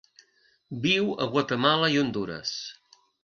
Viu a Guatemala i Hondures.